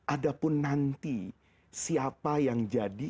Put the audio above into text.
adapun nanti siapa yang jadi